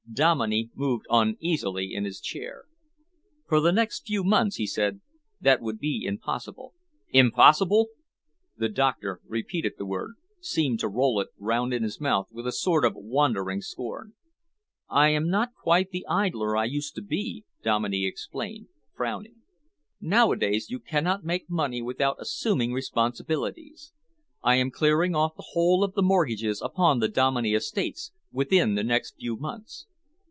Dominey moved uneasily in his chair. "For the next few months," he said, "that would be impossible." "Impossible!" The doctor repeated the word, seemed to roll it round in his mouth with a sort of wondering scorn. "I am not quite the idler I used to be," Dominey explained, frowning. "Nowadays, you cannot make money without assuming responsibilities. I am clearing off the whole of the mortgages upon the Dominey estates within the next few months."